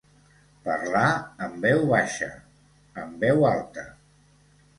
Parlar en veu baixa, en veu alta.